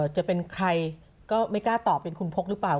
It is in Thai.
จะเป็นใครก็ไม่กล้าตอบเป็นคุณพกหรือเปล่า